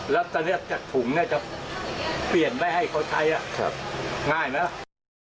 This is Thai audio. แล้วตอนนี้จากถุงเนี่ยจะเปลี่ยนไม่ให้เขาใช้ง่ายไหมล่ะ